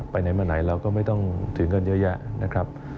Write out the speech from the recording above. ไปไหนมาไหนเราก็ไม่ต้องถือเงินเยอะแยะนะครับ